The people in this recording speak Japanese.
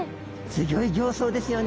すギョい形相ですよね。